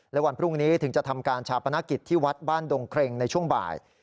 และวันพรุ่งนี้ถึงจะทำการชาปนกิจที่วัดบ้านดงเครงในช่วงบ่าย